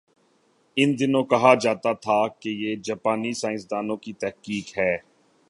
ان دنوں کہا جاتا تھا کہ یہ جاپانی سائنس دانوں کی تحقیق ہے۔